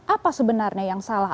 apa sebenarnya yang salah